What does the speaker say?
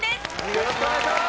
よろしくお願いします！